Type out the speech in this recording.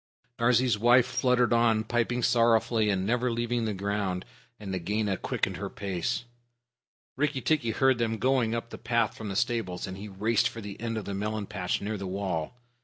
Darzee's wife fluttered on, piping sorrowfully, and never leaving the ground, and Nagaina quickened her pace. Rikki tikki heard them going up the path from the stables, and he raced for the end of the melon patch near the wall.